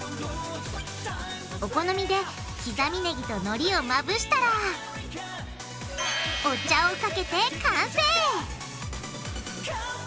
お好みできざみネギとのりをまぶしたらお茶をかけて完成！